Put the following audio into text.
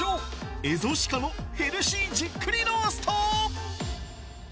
エゾ鹿のヘルシーじっくりロースト。